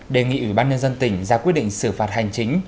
đề nghị ubnd tỉnh ra quyết định xử phạt hành chính